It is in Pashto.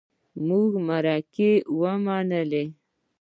زمونږ مرکه يې ومنله.